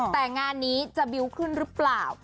แต่งานนี้จะบิวต์ขึ้นหรือเปล่า